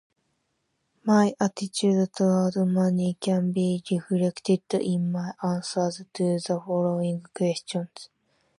My attitude towards money can be reflected in my answers to the following questions.